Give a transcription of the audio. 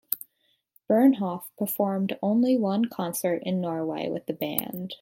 Bernhoft performed only one concert in Norway with the band.